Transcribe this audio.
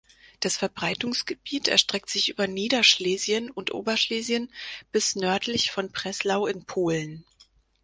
Das Verbreitungsgebiet erstreckt sich über Niederschlesien und Oberschlesien bis nördlich von Breslau in Polen.